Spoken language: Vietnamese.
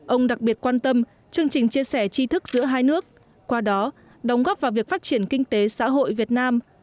ông đặc biệt quan tâm chương trình chia sẻ chi thức giữa hai nước qua đó đóng góp vào việc phát triển kinh tế xã hội việt nam